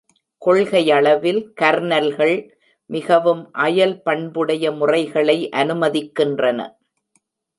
கொள்கையளவில் கர்னல்கள் மிகவும் அயல் பண்புடைய முறைகளை அனுமதிக்கின்றன.